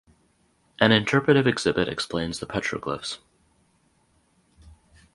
An interpretive exhibit explains the petroglyphs.